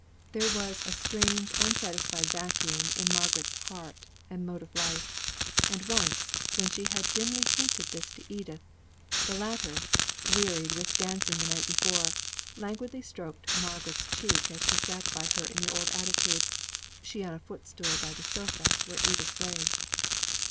There was a strange unsatisfied vacuum in Margaret's heart and mode of life; and, once when she had dimly hinted this to Edith, the latter, wearied with dancing the night before, languidly stroked Margaret's cheek as she sat by her in the old attitude, she on a footstool by the sofa where Edith lay.